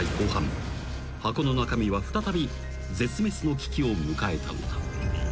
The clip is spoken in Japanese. ［箱の中身は再び絶滅の危機を迎えたのだ］